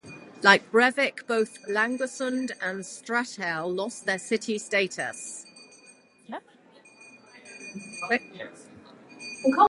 Like Brevik, both Langesund and Stathelle lost their city status.